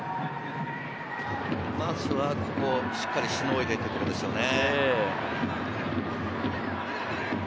まずはここをしっかりしのいでいくことですよね。